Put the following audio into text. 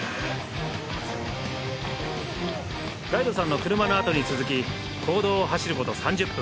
ガイドさんの車のあとに続き公道を走ること３０分